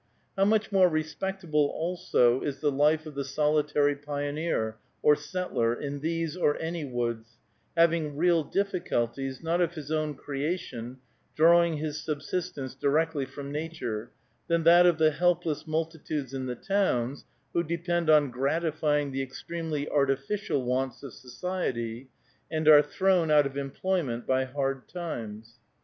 How much more respectable also is the life of the solitary pioneer or settler in these, or any woods, having real difficulties, not of his own creation, drawing his subsistence directly from nature, than that of the helpless multitudes in the towns who depend on gratifying the extremely artificial wants of society and are thrown out of employment by hard times!